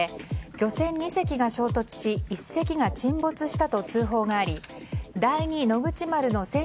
漁船同士が衝突し１隻が沈没しました。